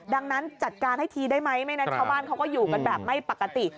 ดังนั้นจัดการให้ทีได้ไหมไม่งั้นชาวบ้านเขาก็อยู่กันแบบไม่ปกติ